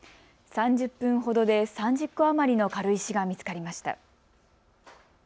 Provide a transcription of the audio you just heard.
３０分ほどで３０個余りの軽石が見つかりました。